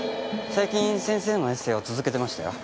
最近先生のエッセーを続けてましたよ。